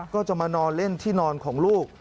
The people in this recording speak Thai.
ก็จะมานอนเล่นที่นอนของลูก